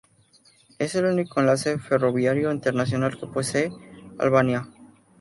Es el único enlace ferroviario internacional que posee Albania.